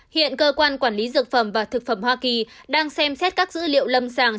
hiện cơ quan quản lý dược phẩm và thực phẩm hoa kỳ đang xem xét các dữ liệu lâm sàng